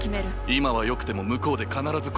今はよくても向こうで必ず後悔する。